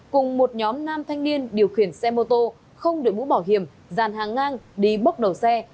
cùng một nhóm nam thanh niên điều khiển xe mô tô không được bũ bỏ hiểm dàn hàng ngang đi bốc đầu xe